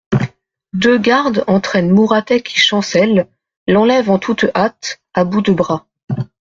Deux gardes entraînent Mouratet qui chancelle, l'enlèvent en toute hâte, à bout de bras.